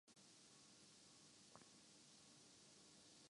مطلب ایمپائر اور خلافت میں سیٹ کیا گیا ہے